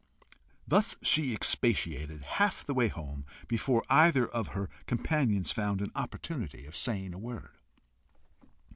Thus she expatiated, half the way home, before either of her companions found an opportunity of saying a word.